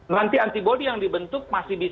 nanti antibody yang dibentuk